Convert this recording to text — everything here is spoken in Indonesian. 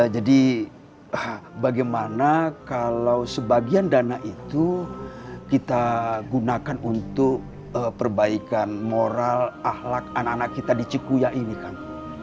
jadi bagaimana kalau sebagian dana itu kita gunakan untuk perbaikan moral ahlak anak anak kita di cikuyah ini kang